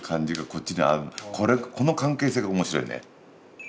この関係性が面白いね。